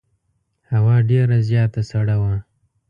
هوا ډېره زیاته سړه وه.